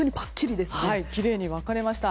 きれいに分かれました。